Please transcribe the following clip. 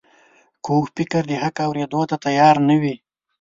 کوږ فکر د حق اورېدو ته تیار نه وي